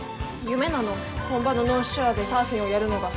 夢なの本場のノースショアでサーフィンをやるのが。